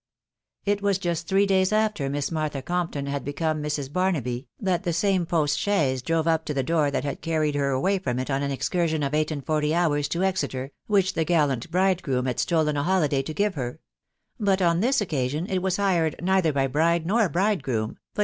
■■# It was just three days after Miss Martha Compaon .'had be come Mrs. Baiaaby, that the same poatchaise drove Jtp tothe door that had carried her away from it on an excursion t of eighUand forty hours to. Exeter, which the gallant bridegroom had stolen a holy day to give her ; but upon. this occasion it was hired neither by .bride nor bridegroom, but